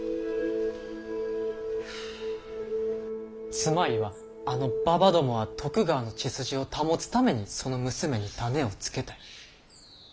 つまりはあのババどもは徳川の血筋を保つためにその娘に種をつけたい。